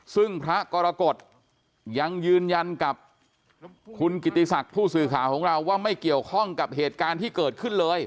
ซึ่งพระกรกฎยังยืนยันกับคุณกิติศักดิ์ผู้สื่อข่าวของเราว่าไม่เกี่ยวข้องกับเหตุการณ์ที่เกิดขึ้นเลย